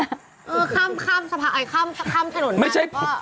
เออข้ามทะโหนนั้นแล้วก็ไม่ใช่ผม